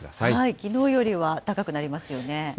きのうよりは高くなりますよね。